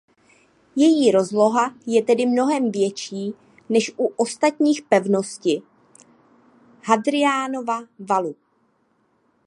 Její rozloha je tedy mnohem větší než u ostatních pevnosti Hadriánova valu.